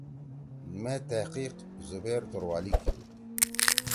مے تحقیق زبیر توروالی کیدُو۔